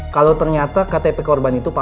kalau ternyata ktp korban itu pak